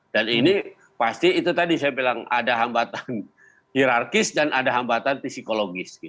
dan ini pasti itu tadi saya bilang ada hambatan hirarkis dan ada hambatan psikologis